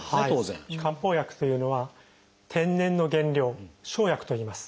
漢方薬というのは天然の原料「生薬」といいます。